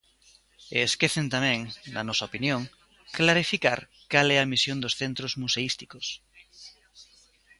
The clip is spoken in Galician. E esquecen tamén, na nosa opinión, clarificar cal é a misión dos centros museísticos.